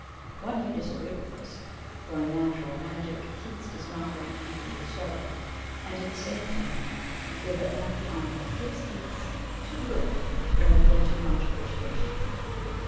One may disagree with this for in natural magic Keats does not rank even with Shelley and, at the same time, feel that Matthew Arnold gives Keats too little rather than too much appreciation.